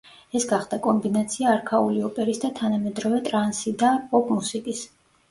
ეს გახდა კომბინაცია არქაული ოპერის და თანამედროვე ტრანსი და პოპ მუსიკის.